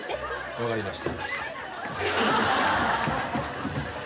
分かりました。